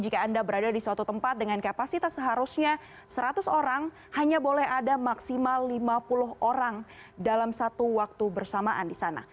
jika anda berada di suatu tempat dengan kapasitas seharusnya seratus orang hanya boleh ada maksimal lima puluh orang dalam satu waktu bersamaan di sana